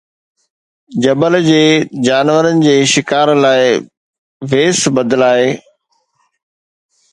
جبل جي جانورن جي شڪار لاءِ ويس بدلائي